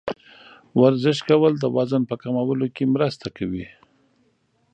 ورزش کول د وزن په کمولو کې مرسته کوي.